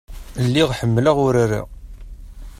Lliɣ ḥemmleɣ urar-a.